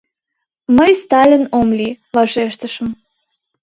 — Мый Сталин ом лий, — вашештышым.